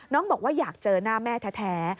บอกว่าอยากเจอหน้าแม่แท้